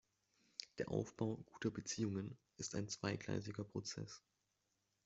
Der Aufbau guter Beziehungen ist ein zweigleisiger Prozess.